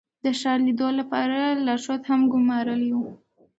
د ښار لیدو لپاره لارښود هم ګمارلی و.